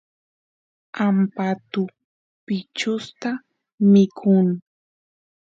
ampatu bichusta mikun